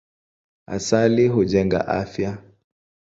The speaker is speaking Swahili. Asali hujenga afya.